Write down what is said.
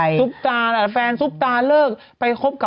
สวัสดีค่ะข้าวใส่ไข่สดใหม่เยอะสวัสดีค่ะ